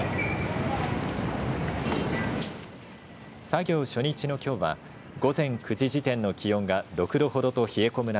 作業初日のきょうは午前９時時点の気温が６度ほどと冷え込む